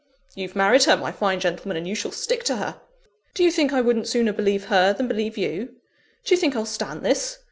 You've married her, my fine gentleman, and you shall stick to her! Do you think I wouldn't sooner believe her, than believe you? Do you think I'll stand this?